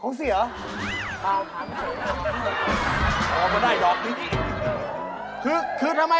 เขาเสียเหรอ